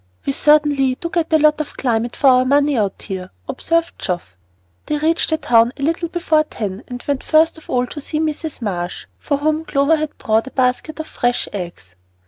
"We certainly do get a lot of climate for our money out here," observed Geoff. They reached the town a little before ten, and went first of all to see Mrs. Marsh, for whom Clover had brought a basket of fresh eggs.